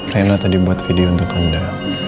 rina tadi membuat video untuk anda